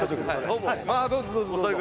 どうぞどうぞどうぞ。